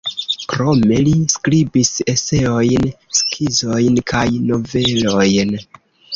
Krome li skribis eseojn, skizojn kaj novelojn.